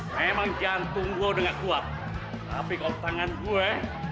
memang jantung gue dengan kuat tapi kalau tangan gue